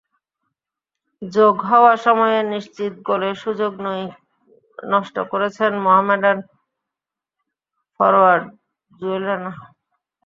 যোগ হওয়া সময়ে নিশ্চিত গোলের সুযোগ নষ্ট করেছেন মোহামেডান ফরোয়ার্ড জুয়েল রানা।